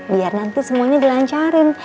biar nanti semuanya dilancarin